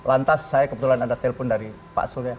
lantas saya kebetulan ada telepon dari pak surya